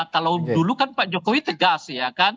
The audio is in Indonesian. kalau dulu kan pak jokowi tegas ya kan